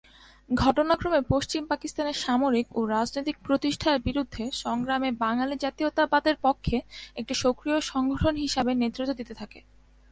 ঘটনাক্রমে পশ্চিম পাকিস্তানের সামরিক ও রাজনৈতিক প্রতিষ্ঠার বিরুদ্ধে সংগ্রামে বাঙ্গালী জাতীয়তাবাদের পক্ষে একটি সক্রিয় সংগঠন হিসাবে নেতৃত্বে দিতে থাকে।